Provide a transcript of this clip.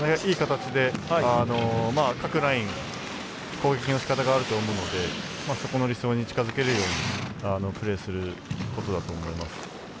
いい形で各ライン攻撃のしかたがあると思うのでそこの理想に近づけるプレーをすることだと思います。